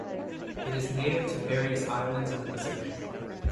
It is native to various islands in the Pacific.